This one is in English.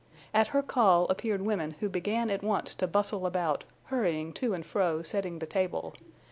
At her call appeared women who began at once to bustle about, hurrying to and fro, setting the table.